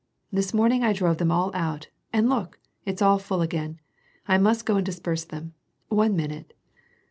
This morning I drove them all out, and look ! it's all full again. I must go and disperse them. One minute